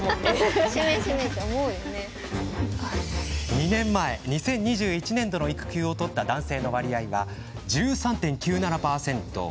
２年前、２０２１年度の育休を取った男性の割合は１３．９７％。